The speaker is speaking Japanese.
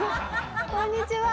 こんにちは。